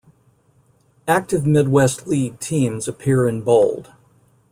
Active Midwest League teams appear in bold.